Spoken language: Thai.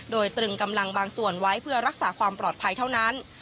โดยตรึงกำลังบางส่วนไว้เพื่อรักษาความปลอดภัยเท่านั้น